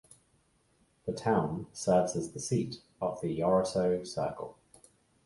The town serves as the seat of the Yorosso Cercle.